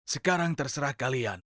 sekarang terserah kalian